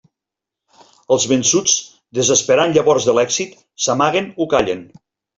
Els vençuts, desesperant llavors de l'èxit, s'amaguen o callen.